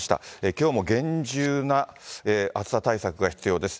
きょうも厳重な暑さ対策が必要です。